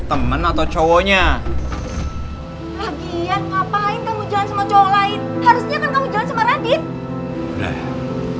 lagian ngapain kamu jalan sama cowok lain harusnya kan kamu jalan sama radit